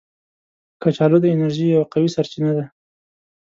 کچالو د انرژي یو قوي سرچینه ده